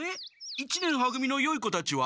一年は組のよい子たちは？